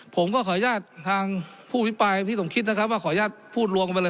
ผมก็ขออนุญาตทางผู้อภิปรายพี่สมคิดนะครับว่าขออนุญาตพูดรวมกันไปเลย